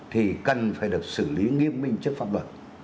thì cần phải được xử lý nghiêm minh trước pháp luật